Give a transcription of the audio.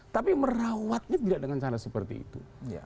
tapi merawatnya tidak dengan cara seperti itu